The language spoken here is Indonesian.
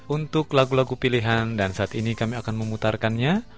untuk lagu lagu pilihan dan saat ini kami akan memutarkannya